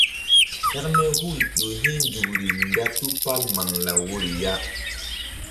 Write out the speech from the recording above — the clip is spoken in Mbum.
Hekme hul ƴo hi̧ nzukri nda tupal maŋlaw woyri ya.